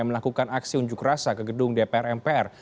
melakukan aksi unjuk rasa ke gedung dpr mpr